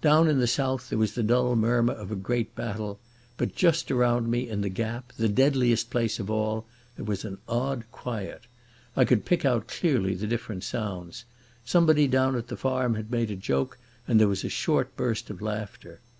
Down in the south there was the dull murmur of a great battle. But just around me, in the gap, the deadliest place of all, there was an odd quiet. I could pick out clearly the different sounds. Somebody down at the farm had made a joke and there was a short burst of laughter.